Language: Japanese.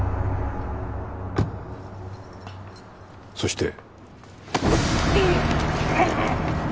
そして。